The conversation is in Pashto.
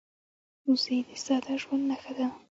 وزې د ساده ژوند نښه ده